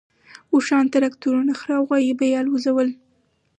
اوښان، تراکتورونه، خره او غوایي به یې الوزول.